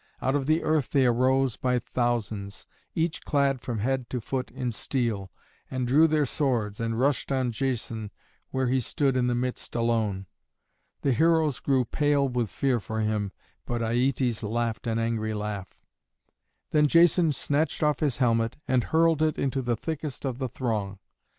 Out of the earth they arose by thousands, each clad from head to foot in steel, and drew their swords and rushed on Jason where he stood in the midst alone. The heroes grew pale with fear for him, but Aietes laughed an angry laugh. Then Jason snatched off his helmet and hurled it into the thickest of the throng.